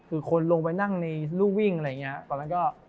คือคนลงไปนั่งในรู่วิ่งอะไรอย่างนี้